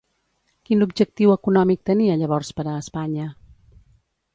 Quin objectiu econòmic tenia llavors per a Espanya?